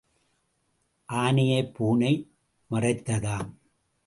ஆனையைப் பூனை மறைத்ததாம்.